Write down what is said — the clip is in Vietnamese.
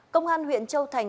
công an huyện châu thành